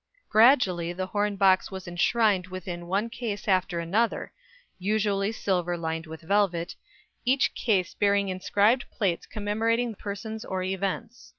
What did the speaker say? Gradually the horn box was enshrined within one case after another usually silver lined with velvet each case bearing inscribed plates commemorating persons or events.